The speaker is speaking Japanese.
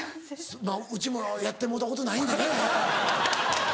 まぁうちもやってもろうたことないんでね。